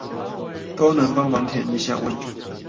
都能幫忙填一下問卷